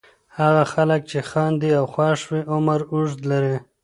هغه خلک چې خاندي او خوښ وي عمر اوږد لري.